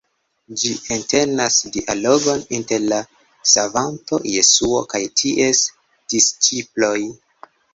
Ĝi entenas dialogon inter la Savanto Jesuo kaj ties disĉiploj.